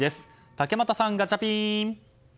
竹俣さん、ガチャピン。